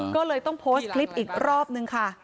ก็เลยต้องโพสต์คลิปอีกรอบนึงค่ะ